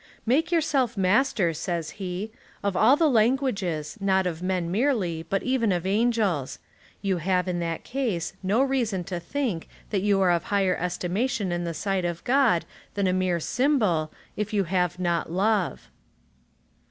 ^" Make yourself master," says he, " of all the languages, not of men merely, but even of Angels. You have, in that case, no reason to think, that you are of higher estimation in the sight of God than a mere cymbal, if you have not love."